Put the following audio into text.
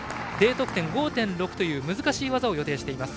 Ｄ得点５．６という難しい技を予定しています。